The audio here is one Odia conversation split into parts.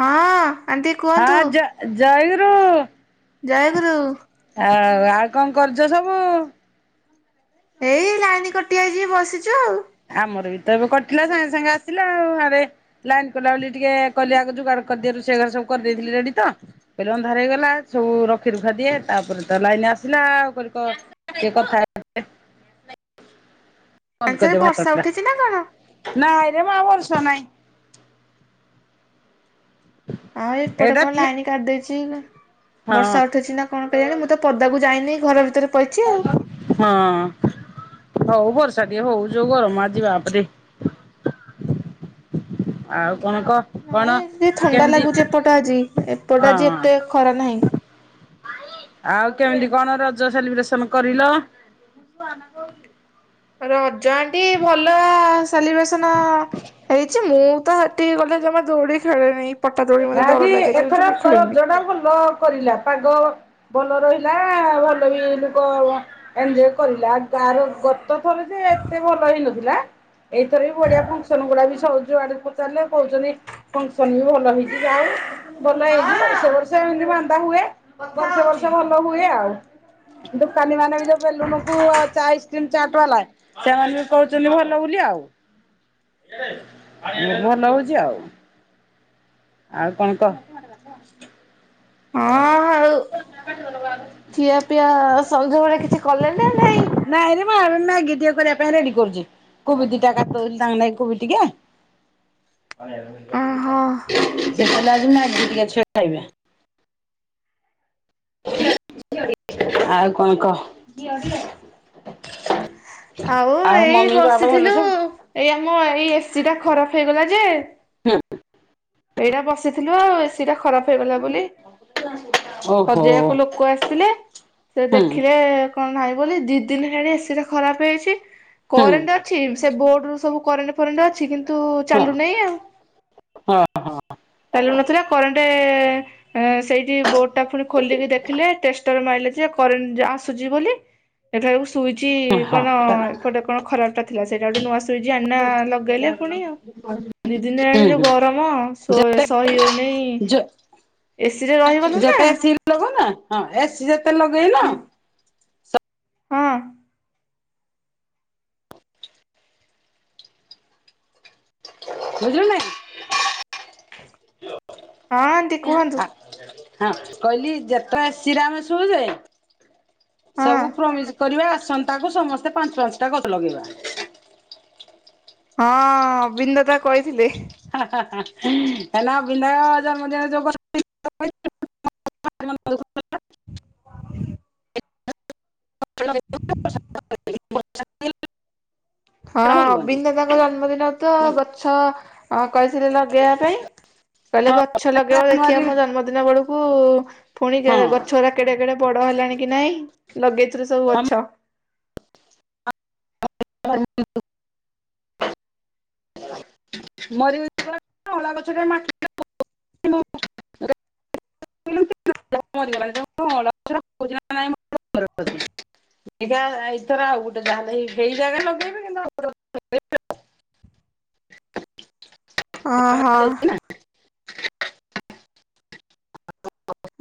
ହଁ। ଆଣ୍ଟି କୁହନ୍ତୁ ହଁ ଜ ଜୟଗୁରୁ। ଜୟ ଗୁରୁ। ଆଉ ଆଉ କଣ କରୁଛ ସବୁ? ଏଇ ଲାଇନ କଟିଯାଇଛି ବସିଛୁ ଆଉ। ଆମର ବି ତ ଏବେ କଟିଲା ସାଙ୍ଗେ ସାଙ୍ଗେ ଆସିଲା ଆଉ ଆରେ ଲାଇନ କଲା ବୋଲି ଟିକେ କହିଲେ ଆଗ ଯୋଗାଡ଼ କରିଦିଅ ରୋଷେଇ ବାସ ସବୁ କରିଦେଇଥିଲେ ରେଡ଼ିତ। କଇଲେ ଅନ୍ଧାର ହେଇଗଲା ଶୁ ରଖି ରୁଖା ଦିଏ ତାପରେ ତ ଲାଇନ୍ ଆସିଲା ଆଉ କରି କ କି କଥା? ଆଜି ବନ୍ଦ ସାଡେ କରିଦବ ବର୍ଷା ଭାତଟା ଉଠେଇଛି ନା କଣ? ନାଇଁରେ ମା ବର୍ଷା ନାଇଁ। ଆଉ ଏପଟେ ଏଇଟା କଣ ଫେ ଲାଇନ କାଟିିଦେଇଛି। ହଁ ବର୍ଷା ଉଠୁଛି ନା କଣ କେୟାଣି ମୁଁ ତ ପଦାକୁ ଯାଇନି ଘର ଭିତରେ ପଇଚି ଆଉ। ହଁ ହଉ ବର୍ଷା ଟିକେ ହୋଉ ଯୋଉ ଗରମ ଆଜି ବାପେ ରେ। ଆଉ କଣ କହ? କଣ ନାଇଁ ଟିକ ଥଣ୍ଡା କେମିତି ଲାଗୁଛି ଏପଟ ଆଜି ଏପଟ ଆଜି ହଁ ଏତେ ଖରା ନାହିଁ। ଆଉ କେମିତି କଣ ରଜ ସେଲିବ୍ରେସନ କରିଲ। ରଜ ଆଣ୍ଟି ଭଲ ସେଲିବ୍ରେସନ ହେଇଛି ମୁଁ ତ ଟିକେ ଗଲେ ଜମା ଦୌଡ଼ି ଖେଳିନି। ଆଜି ଏଥର ସର ଜନାଙ୍କୁ ନ କରିଲା ପାଗ। ଭଲ ରହିଲା ଭଲ ବି ଲୋକ ଏଞ୍ଜୟ କରିଲା ଆର ଗତ ଥର ଯେ ଏତେ ଭଲ ହେଇନଥିଲା। ଏଇଥର ବି ବଢ଼ିଆ ଫଙ୍କସନ୍ ଗୁଡ଼ାବି ସବୁ ଯୁଆଡ଼େ ପଚାରିଲେ କୋହୁଚନ୍ତି ଫଙ୍କସନ୍ ଯାହା ହଉ ଭଲ ହେଇଯିବ ସବୁ ବର୍ଷ ଏମିତି ବାନ୍ଧା ହୁଏ। ବର୍ଷେ ବର୍ଷେ ଭଲ ହୁଏ ଆଉ। ଦୋକାନି ମାନେ ବି ଯୋଉ ବେଲୁନୁ କୁ ଚା ଆଇସ୍କ୍ରିମ୍ ଚାଟ୍ ବାଲା ସେମାନେ ବି କହୁଛନ୍ତି ଭଲ ବୋଲି ଆଉ ଭଲ ହଉଛି ଆଉ। ଆଉ କଣ କହ? ହଁ ଆଉ [unintelligible] ଖିଆ ପିଆ ସଞ୍ଜବେଳେ କିଛି କଲେଣି ନା ନାହିଁ। ନାଇଁରେ ମା ମ୍ୟାଗି ଟିକେ କରିବାପାଇଁ ରେଡ଼ି କରୁଛି। କୋବି ଦି ଟା କାଟିଦୋଉଛି ତାଙ୍କ ନାଗି କୋବି ଟିକେ ଓହୋ ସେପଟେ ଆଜି ମାଗିଖିଆ ଛୁଆ ଖାଇବେ। ଆଉ କଣ କହ? ଆଉ ଏଇ ମମି ବାବା ଭଲ ବସିଥିଲୁ ଅଛନ ଏଇ ଆମ ଏଇ ଏ ସିି ଟା ଖରାପ୍ ହେଇ ଗଲା ଜେ ହୁଁ ଏଇଟା ବସିଥିଲୁ ଆଉ ଏ ସିି ଟା ଖରାପ୍ ହୋଇଗଲା ବୋଲି। ଓ ସଜେଇବାକୁ ଲୋକ ଆସିଥିଲେ ସେ ହୁଁ ଦେଖିଲେ କଣ ନାହିଁ ବୋଲି ଦି ଦିନ ହେଣି ଏସି ଟା ଖରାପ୍ ହେଇଚି ହୁଁ କରେଣ୍ଟ ଅଛି ସେ ବୋଡରୁ ସବୁ କରେଣ୍ଟ ଫରେଣ୍ଟ ଅଛି କିନ୍ତୁ ହଁ। ହଁ ଚାଲୁନାହିଁ ଆଉ। ହଁ ହଁ ଚାଲୁ ନଥିଲା କରେଣ୍ଟ ସେଇଠି ବୋଡ ଟା ଫୁଣି ଖୋଲିକି ଦେଖିଲେ ଟେଷ୍ଟର ମାଇଲେଯେ କରେଣ୍ଟ ଆସୁଛି ବୋଲି। ଦେଖିଲା ବେଳକୁ ସୁଇଚି ହୁଁ ହୁଁ କଣ ଏପଟେ କଣ ଖରାପ୍ ଟା ଥିଲା, ସେଟା ଗୋଟେ ନୁଆ ସୁଇଚ୍ ଆଣିନା ଲଗେଇଲେ ପୁଣି ଆଉ। ଦି ଦିନ ହେଲାଣି ଯୋଉ ଗରମ୍। ହଁ ଯେତେ ସ-ସହିହୋଉନି ଯେ ଏସି ରେ ରହିଗଲୁନା। ଲଗ ନା ହଁ ଏସିି ଯେତେ ଲଗେଇନ ହଁ ହଁ ବୁଝିଲୁ ନା ଆଣ୍ଟି କୁହନ୍ତୁ ନାଇଁ ହଁ କହିଲି ଯେତେ ଏ ସି ରେ ଆମେ ଶୋଉଛେ ହଁ ସବୁ ପ୍ରମିଜି କରିବା ଆସନ୍ତାକୁ ସମସ୍ତେ ପାଞ୍ଚ ପାଞ୍ଚଟା ଗଛ ଲଗେଇବା। ହଁ ଅବିନ ଦାଦା କହିଥିଲେ। ହା ହା ହା ହେଲେ ଅବିନ ଦା ଜନ୍ମ ଦିନ ଯୋଉ [inaudible] [unintelligible] ହଁ ମରିବନି ଅବିନ ଦାଦା ଙ୍କ ଜନ୍ମଦିନ ତ ଗଛ କହିଥିଲେ ଲଗେଇବା ପାଇଁ। କହିଲେ ଗଛ ଲଗେଇବ ଦେଖିବା ଜାନୁଆରୀ ମୋ ଜନ୍ମ ଦିନ ବେଳକୁ ପୁଣି ଗଛ ହଁ ଗୋଡ଼ା କେଡେ କେଡେ ବଡ ହେଲାଣି କି ନାଇଁ। ଲଗେଇଥିଲି ସବୁ ଗଛ। [unintelligible] ମରି କଛ [unintelligible] ଖ [unintelligible] [unintelligible] ଇଇଗା ଏଇଥର ଆଉ ଯାହା ତହିଁ ସେଇ ଜାଗା ଲଗେଇବେି କିନ୍ତୁ ଅ [unintelligible] ହଁ ହଁ। ଗୋଟେ ଯାଇଛି ନା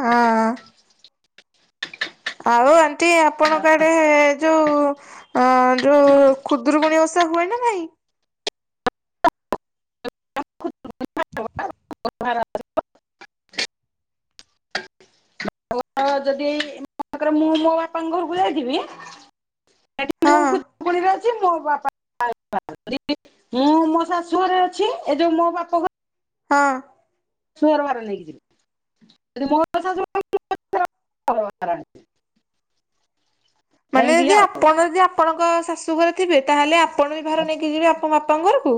ହଁଁ ହଁ। ଆଉ ଆଣ୍ଟି ଆପଣଙ୍କ ଆଡେ ଯୋଉ ଅ ଯୋଉ ଖୁଦୁରୁକୁଣି ଓଷା ହୁଏ ନା ନାଇଁ? [unintelligible] ହଁ ଯଦି ମନେକର ମୁଁ ମୋ ବାପାଙ୍କ ଘରକୁ ଯାଇଥିବି, ସେଠି ହଁ ମୁଁ ମୋ ବାପା [unintelligible] ମୁଁ ମୋ ଶାଶୁ ଘରେ ଅଛି। ଏ ଯୋଉ ମୋ ବାପ ଘରେ ହଁ। ସୁଅର ଭାର ନେଇକି ଜିବି। ଯଦି ମୋ [unintelligible] ମାନେ ଏମିତି ଯଦି ଆଉ ଆପଣ ଯଦି ଆପଣଙ୍କ ଶାଶୁ ଘରେ ଥିବେ ତାହେଲେ ଆପଣ ବି ଭାର ନେଇକି ଯିବେ ତମ ବାପାଙ୍କ ଘରକୁ?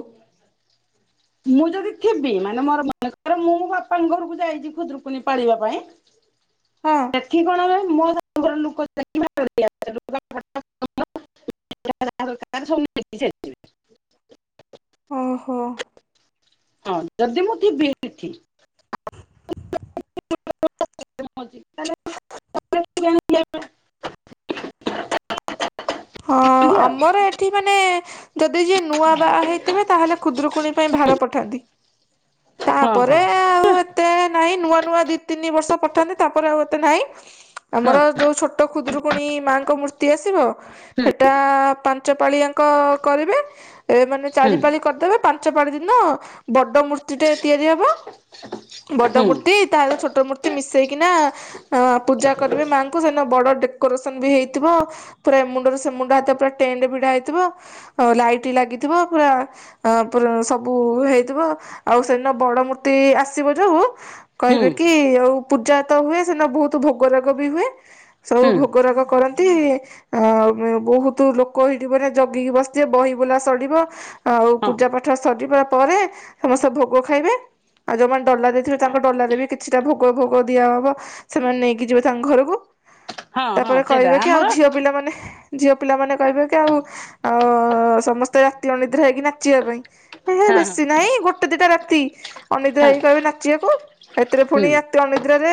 ମୁଁ ଯଦି ଥିବି। ମାନେ ମୋର ମନେକର ମୁଁ ମୋ ବାପାଙ୍କ ଘରକୁ ଯାଇଛି ଖୁଦୁରୁକୁଣି ପାଳିବା ପାଇଁ ହଁ ସେଠି କଣ ହବ ମୋ [unintelligible] [unintelligible] ଓହୋ। ହଁ ଜଦି ଜଦୀ ମୁଁ ଥିବିଏଠି [unintelligible] ହଁ ଆମର ଏଠି ମାନେ ଯଦି ଯିଏ ନୂଆ ବାହା ହେଇଥିବେ ତାହେଲେ ଖୁଦୁରୁକୁଣି ପାଇଁ ଭାର ପଠାନ୍ତି। ହଁ ତାପରେ ହଁ ଆଉ ଏ ଏତେ ନାହିଁ ନୂଆ ନୂଆ ଦି ତିନି ବର୍ଷ ପଠାନ୍ତି ତାପରେ ଆଉ ଏତେ ନାହିଁ। ହଁ ଆମର ଯୋଉ ଛୋଟ ଟ ଖୁଦୁରୁକୁଣି ମାଆଙ୍କ ମୂର୍ତ୍ତି ଆସିବ ହେଟା ପାଞ୍ଚ ପାଳିଆଙ୍କ କରିବେ, ଏ ମାନେ ହୁଁ ଚାରି ପାଳି କରିଦେବେ ପାଞ୍ଚ ପାଳି ଦିନ ବଡ ମୂର୍ତ୍ତି ଟେ ତିଆରି ହବ ବଡ଼ ହୁଁ ମୂର୍ତ୍ତି ତା ସହ ଛୋଟ ମୂର୍ତ୍ତି ମିସେଇକିନା ହ ପୂଜା କରିବେ ମାଆଙ୍କୁ, ସେଦିନ ବଡ ଡେକୋରେସନ ବି ହେଇଥିବ। ପୁରା ଏମୁଣ୍ଡରୁ ସେ ସେ ମୁଣ୍ଡା ହାତେ ପୁରା ଟେଣ୍ଟ ଭିଡା ହେଇଥିବ, ଆଉ ଲାଇଟ୍ ଲାଗିଥିବ ପୁରା ଆ ପୁର ସବୁ ହେଇଥିବ। ଆଉ ସେଦିନ ବଡ ମୂର୍ତ୍ତି ଆସିବ ଯୋଉ ହୁଁ କହିବେ କି, ଆଉ ପୂଜା ତ ହୁଏ ସେ ଦିନ ବୋହୁତ୍ ଭୋଗ ରାଗ ବି ହୁଏ। ସବୁ ହୁଁ ଭୋଗରାଗ କରନ୍ତି ବୋହୁତ୍ ଲୋକ ହେଇଠି ମାନେ ଜଗିକି ବସିଥିବେ ବହି ବୁଲା ସଡିବ ଆଉ ହଁ ପୂଜା ପାଠ ସରିବା ପରେ ସମସ୍ତେ ଭୋଗ ଖାଇବେ ଆଉ ଯୋଉମାନେ ଡଲା ଦେଇଥିବେ ତାଙ୍କ ଡଲାରେ ବି କିଛିଟା ଭୋଗ ଭୋଗ ଦିଆହବ ସେମାନେ ନେଇକି ଯିବେ ତାଙ୍କ ଘରକୁ। ହଁ ହଁ ତାପରେ ସେଇଟା କହିବେ କି ଆଉ ଆମର ଝିଅ ପିଲାମାନେ ଝିଅ ପିଲା ମାନେ କହିବେ କି ଆଉ ଆ ସମସ୍ତେ ରାତି ଅନିଦ୍ରା ହେଇକି ନାଚିବା ପାଇଁ। ହେ ହେ, ହଁ ବେଶୀ ନାହିଁ ଗୋଟେ ଦିଟା ରାତି ଅନିଦ୍ରା ହଁ ହଁ ହେଇକି କହିବେ ନାଚିବାକୁ, ହେଥିରେ ହୁଁ ପୁଣି ରାତି ନିିଦ୍ରାରେ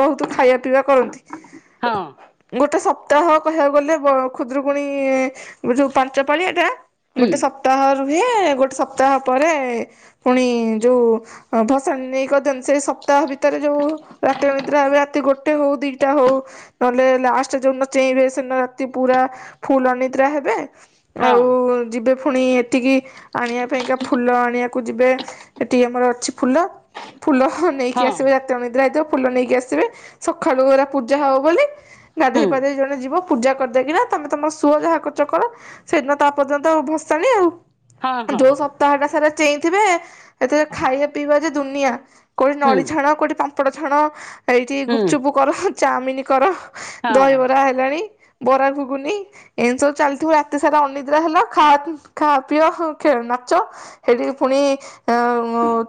ବହୁତୁ ଖାଇବା ପିଇବା କରନ୍ତି। ହଁ। ଗୋଟେ ସପ୍ତାହ କହିବାକୁ ଗଲେ, ବ ଖୁଦୁରୁକୁଣୀ ଯୋଉ ପାଞ୍ଚ ପାଳି ଏଟା ହୁଁ ଗୋଟେ ସପ୍ତାହ ରୁହେ ଗୋଟେ ସପ୍ତାହ ପରେ ପୁଣି ଯୋଉ ହଁ ଭସାଣି ନେଇ କରିଦିଅନ୍ତି। ସେଇ ସପ୍ତାହ ଭିତରେ ଯୋଉ ରାତି ଅନିଦ୍ରା ହେବେ ରାତି ଗୋଟେ ହଉ, ଦିଟା ହଉ ନହେଲେ ଲାଷ୍ଟ ଯୋଉ ଦିନ ଚେଇଁବେ ସେ ଦିନ ରାତି ପୁରା ଫୁଲ୍ ଅନିଦ୍ରା ହେବେ। ହଁ। ଆଉ ଯିବେ ଫୁଣି ହେଠିକି ଆଣିବା ପାଇଁକା ଫୁଲ ଆଣିବାକୁ ଯିବେ ହେଠି ଆମର ଅଛି ଫୁଲ। ଫୁଲ ନେଇକି ହଁ ଆସିବେ ରାତି ଅନିଦ୍ରା ହେଇଥିବେ, ଫୁଲ ନେଇକି ଆସିବେ। ସଖାଳୁ ଏରା ପୂଜା ହବ ବୋଲି ଗାଧେଇ ହୁଁ ପାଧେଇ ଜଣେ ଯିବ ପୂଜା କରିଦେଇ କିନା ତମେ ତମର ଶୁଅ ଯାହା କରୁଛ କର ସେଦିନ ତାପର ଦିନ ତ ଭସାଣି ଆଉ। ହଁ ହଁ ଯୋଉ ହଁ ସପ୍ତାହଟା ସାରା ଚେଇଁଥିବେ ସେଥିରେ ଖାଇବା ପିଇବା ଯେ ଦୁନିଆ କୋଉଠି ହୁଁ ନଳି ଛାଣ, କୋଉଠି ପାମ୍ପଡ଼ ଛାଣ, ଏଇଠି ହୁଁ ଗୁପଚୁପ୍ କର, ଚାଓମିନ କର। ହଁ ଦହିବରା ହେଲାଣି ବରା ଘୁଗୁନି ଏମିତି ସବୁ ଚାଲିଥିବ ରାତି ସାରା ଅନିଦ୍ରା ହେଲା ଖା ଖାଅ ପିଅ ନାଚ। ସେଠି ପୁଣି ଅ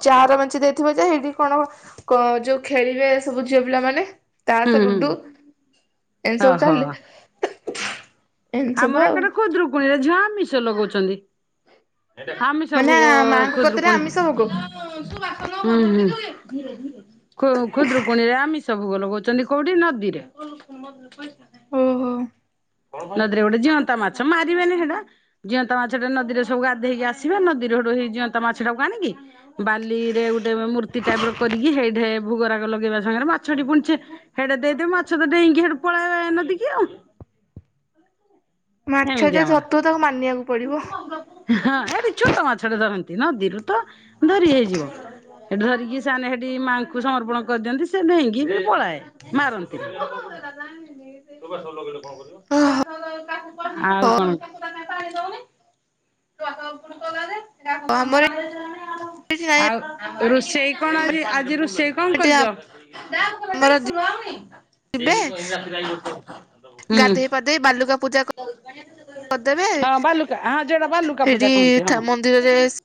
ଚାର ମେଞ୍ଚେ ଦେଇଥିବ ଯେ ସେଇଠି କଣ କ ଯୋଉ ଖେଳିବେ ସବୁ ଝିଅ ପିଲାମାନେ ତାସ, ହୁଁ ହୁଁ ଲୁଡୁ। ଏମିତି ସବୁ ଓହୋ ଚାଲେ ଆମର ଏକରେ ଖୁଦୁରୁକୁଣୀରେ ଝିଅ ଆମିଷ ଲଗଉଛନ୍ତି। ଆମିଷ ମାନେ ଭୋଗ ମାଆଙ୍କ କତିରେ ଖୁଦୁରୁକୁଣୀ ଆମିଷ ଭୋଗ ହୁଁ ହୁଁ ଖୁଦୁରୁକୁଣୀ ରେ ଆମିଷ ସବୁ [unintelligible] କୋଉଠି ନଦୀରେ? ଓହୋ। ନଦୀରେ ଗୋଟେ ଜିଅନ୍ତା ମାଛ ମାରିବେନି ହେଟା ଜିଅନ୍ତା ମାଛ ଟା ନଦୀରେ ସବୁ ଗାଧେଇକି ଆସିବେ ନଦୀରୁ ହେଟୁ ହେଇ ଜିଅନ୍ତା ମାଛଟାକୁ ଆଣିକି ବାଲିରେ ଗୋଟେ ମୂର୍ତ୍ତି ଟାଇପ ର କରିକି ସେଇଠେ ଭୋଗରାଗ ଲଗେଇବା ସାଙ୍ଗରେ ମାଛଟି ପୁଣି ଚେ ହେଡେ ଦେଇଦେବେ ମାଛ ତ ଡେଇଁକି ହେଟୁ ପଳାଏ ନଦୀକି ଆଉ। ମାଛ ଏମିତି ଯେ ଆମର। ଧରୁଥିବ ତାକୁ ମାନିବାକୁ ପଡ଼ିବ। ହଁ ଏଡ଼େ ଛୋଟ ମାଛ ଟେ ଧରନ୍ତି ନଦୀରୁ ତ ଧରି ହେଇଯିବ। ସେଠୁ ଧରିକି ସେମାନେ ସେଠି ମାଆଙ୍କୁ ସମର୍ପଣ କରିଦିଅନ୍ତି ସେ ଡ଼େଇଁକି ବି ପଳାଏ। ମାରନ୍ତିନି। ଓହୋ ଆଉ କଣ? ଆମର [inaudible] [unintelligible] ରୋଷେଇ କଣ ଆଜି ଆଜି ରୋଷେଇ କଣ ଏଠି କରିଚ? ଆମର ଦି [inaudible] ଗାଧେଇ ପାଧେଇ ବାଲୁକା ପୂଜା କରିଦେବେ ହଁ ବାଲୁକା ହଁ ଯୋଟା ବାଲୁକା ପୂଜା କହନ୍ତି ସେଠି ହଁ। ମନ୍ଦିରରେ ଶି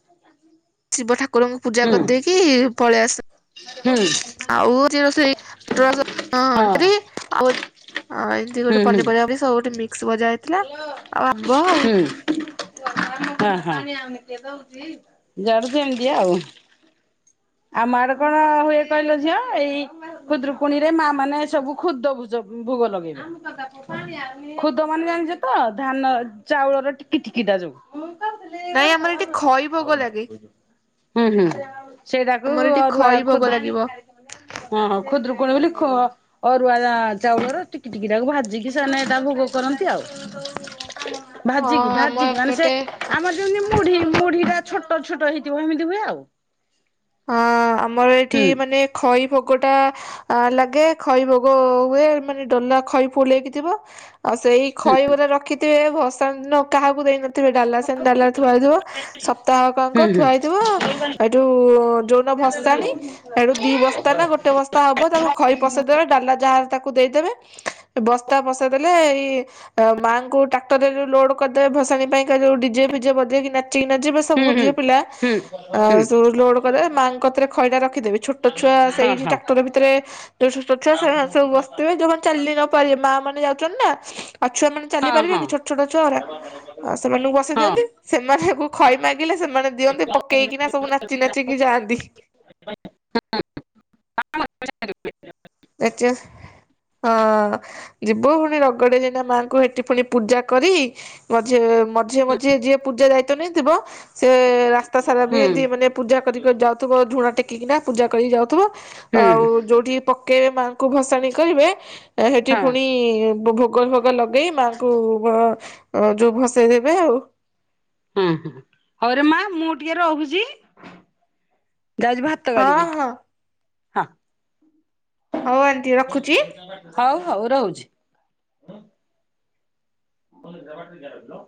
ଶିବ ଠାକୁରଙ୍କୁ ପୂଜା ହୁଁ କରିଦେଇକି ପଳେଇ ଆସ ହୁଁ ଆଉ ହଁ [unintelligible] ଆଉ ହଁ ଏମତି ଗୋଟେ ହୁଁ ହୁଁ ପନିପରିବା ବି ସବୁଠି ମିକ୍ସ ଭଜା ହେଇଥିଲା ଆଉ ଆମ୍ବ ଆଉ। [inaudible] ହଁ ହଁ ଯୁଆଡ଼େ ଯେମିତି ଆଉ। ଆମ ଆଡ଼େ କଣ ହୁଏ କହିଲ ଝିଅ ଏଇ ଖୁଦୁରୁକୁଣୀ ରେ ମା ମାନେ ସବୁ ଖୁଦ ଭୁଜ ଭୋଗ ଲଗେଇବେ ଖୁଦ ମାନେ ଜାଣିଛ ତ ଧାନ ଚାଉଳର ଟିକି ଟିକିଟା ଯୋଉ। ନାଇଁ ଆମର ଏଠି ଖଇ ଭୋଗ ଲାଗେ। ହୁଁ ହୁଁ ସେଇଟାକୁ ଆମର ଏଠି ଅରୁଆ ଖଇ ଭୋଗ ଖୁଦ ଲାଗିବ ହଁ ହଁ ଖୁଦୁରୁକୁଣୀ ବୋଲି ଖୁ ଅରୁଆ ଚାଉଳର ଟିକି ଟିକିଟାକୁ ଭାଜିକି ସେମାନେ ଏଇଟା ଭୋଗ କରନ୍ତି ଆଉ। ହଁ ଭାଜି କି ଆମ ଭାଜି କି ମାନେ ସେ ଏପଟେ ଆମର ଯେମିତି ମୁଢ଼ି ମୁଢ଼ି ଟା ଛୋଟ ଛୋଟ ହେଇଥିବ ଏମିତି ହୁଏ ଆଉ। ହଁ ଆମର ଏଇଠି ହୁଁ ମାନେ ଖଇ ଭୋଗ ଟା ଆ ଲାଗେ ଖଇ ଭୋଗ ହୁଏ ମାନେ ଡଲା ଖଇ ଫୁଲେଇକି ଥିବ ଆଉ ସେଇ ଖଇ ଗୁରା ରଖିଥିବେ ଭସାଣି ଦିନ କାହାକୁ ଦେଇନଥିବେ ଡାଲା ସେମିତି ଡାଲା ରେ ଥୁଆ ହେଇଥିବ ସପ୍ତାହକ ହୁଁ ଆଙ୍କ ହୁଁ ଥୁଆ ହେଇଥିବ ହେଟୁ ଯୋଉଦିଳନ ଭସାଣି ଏଣୁ ଦି ବସ୍ତା ନା ଗୋଟେ ବସ୍ତା ହବ ତାକୁ ଖଇ ପସେଇଦବା ଡାଲା ଯାହାର ତାକୁ ଦେଇଦେବେ ବସ୍ତା ବସେଇ ଦେଲେ ଏଇ ଆ ମାଆଙ୍କୁ ଟ୍ରାକ୍ଟରରେ ଯଉ ଲୋଡ କରିଦେବେ ଭସାଣି ପାଇଁ କା ଯୋଉ ଡିଜେ ଫିଜେ ବଜେଇକି ନାଚି ନାଚି ହୁଁ ସବୁ ହୁଁ ଝିଅ ପିଲା ହୁଁ ହୁଁ ଆ ହୁଁ ସବୁ ଲୋଡ୍ ମାଆଙ୍କ କତିରେ ରଖିଦେବେ ଛୋଟ ଛୁଆ ହଁ ସେଇଠି ହଁ। ଟ୍ରାକ୍ଟର ଭିତରେ ଯୋ ଛୋଟ ଛୁଆ ସେମାନେ ସବୁ ବସିଥିବେ ଯୋଉମାନେ ଚାଲି ନ ପାରିବେ ମା ମାନେ ଯାଉଛନ୍ତି ନା ଆଉ ଛୁଆ ମାନେ ଚାଲି ହଁ ପାରିବେ କି ହଁ ଛୋଟ ଛୋଟ ଛୁଆଁ ଉରା ସେମାନଙ୍କୁ ବସେଇ ହଁ ଦିଅନ୍ତି ସେମାନେ କୁ ଖଇ ମାଗିଲେ ସେମାନେ ଦିଅନ୍ତି ପକେଇକିନା ସବୁ ନାଚି ନାଚି ଯାଆନ୍ତି। ନାଚି ହଁ। ଯିବୁ ପୁଣି ରଗଡେ ଜେନା ମାଙ୍କୁ ହେଠି ପୁଣି ପୂଜା କରି ମଝି ମଝିରେ ମଝିରେ ଯିଏ ପୂଜା ଦାୟିତ୍ୱ ନେଇଥିବ ସେ ରାସ୍ତା ସାରା ବି ହୁଁ ଏମିତି ମାନେ ପୂଜା କରି କରି ଯାଉଥିବ ଝୁଣା ଟେକିକିନା ପୂଜା କରି ଯାଉଥିବ ହୁଁ ଆଉ ଯୋଉଠି ପକେଇବେ ମାଙ୍କୁ ଭସାଣି କରିବେ ହେଠି ହଁ ପୁଣି ଭୋଗ ଫୋ ଗ ଲଗେଇ ମାଆଙ୍କୁ ଯୋଉ ଭସେଇ ଦେବେ ଆଉ। ହୁଁ ହୁଁ ହଉରେ ମା ମୁଁ ଟିକେ ରହୁଛି। ଯାଉଛିି ଭାତ ହଁ ଗାଳିବି। ହଁ ଅଉୟାନ୍ ହଉ ହଉ ହଉ ରହୁଛି।